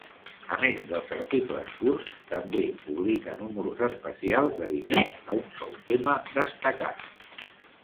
A més dels articles curts també publica números especials dedicats a un sol tema destacat.